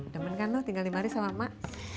demen kan lo tinggal lima hari sama emak